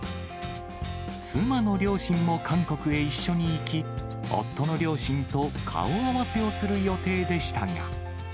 妻の両親も韓国へ一緒に行き、夫の両親と顔合わせをする予定でしたが。